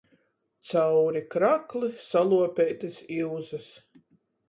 Cauri krakli, saluopeitys iuzys.